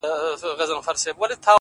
• په دې اور سو موږ تازه پاته کېدلای,